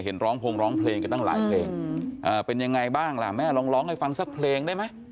ร้องพงร้องเพลงกันตั้งหลายเพลงเป็นยังไงบ้างล่ะแม่ลองร้องให้ฟังสักเพลงได้ไหม